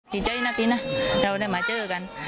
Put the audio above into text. ดีใจนะพี่นะเราได้มาเจอกัน